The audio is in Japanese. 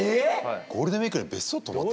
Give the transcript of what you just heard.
ゴールデンウイークで別荘泊まってた？